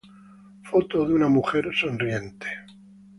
Foto de una mujer sonriente